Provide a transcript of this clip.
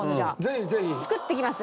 作ってきます。